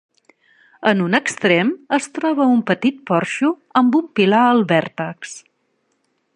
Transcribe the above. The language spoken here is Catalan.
En un extrem es troba un petit porxo amb un pilar al vèrtex.